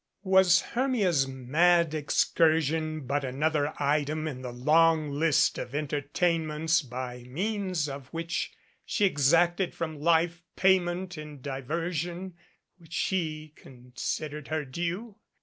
Was Hermia's mad excur sion but another item in the long list of entertainments by means of which she exacted from life payment in di version which she considered her due?